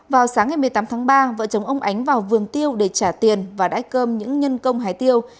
vào sáng ngày một mươi tám tháng ba vợ chồng ông ánh vào vườn tiêu để trả tiền và đã cơm những nhân công hái tiêu